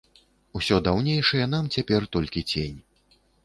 Усё даўнейшае нам цяпер толькі цень.